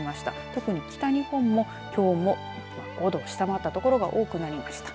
特に北日本も、きょうも５度を下回った所が多くなりました。